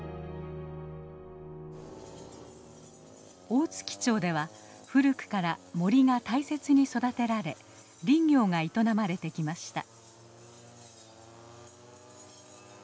大月町では古くから森が大切に育てられ林業が営まれてきました。